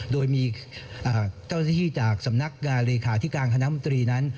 โดยมีเจ้าหน้าที่จากสำนักงานเลขาธิการคณะมนตรีนั้น